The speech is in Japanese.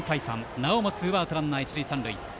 なおもツーアウトランナー、一塁三塁。